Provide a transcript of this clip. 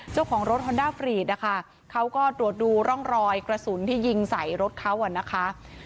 เจ้าของรถฮอนด้าฟรีดนะคะเขาก็ตรวจดูร่องรอยกระสุนที่ยิงใส่รถเขาอ่ะนะคะ